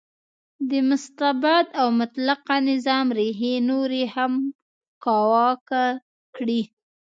د مستبد او مطلقه نظام ریښې نورې هم کاواکه کړې.